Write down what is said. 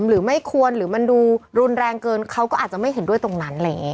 หรือไม่ควรหรือมันดูรุนแรงเกินเขาก็อาจจะไม่เห็นด้วยตรงนั้นอะไรอย่างนี้